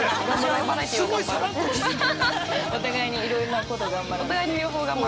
お互いにいろんなことを頑張ろう。